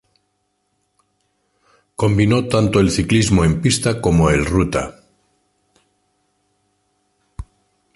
Combinó tanto el ciclismo en pista como el ruta.